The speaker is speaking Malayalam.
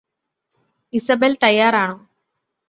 ഇസബെല് തയ്യാറാണോ